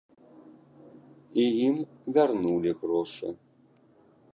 І ім вярнулі грошы.